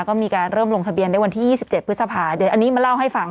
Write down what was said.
ก็มีการเริ่มลงทะเบียนในวันที่๒๗พฤษภาเดี๋ยวอันนี้มาเล่าให้ฟัง